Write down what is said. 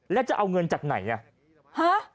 แล้วจะเอาเงินได้ไหมครับ